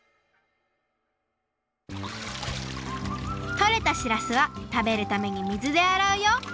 とれたしらすはたべるために水であらうよ